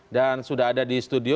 dan sudah ada di studio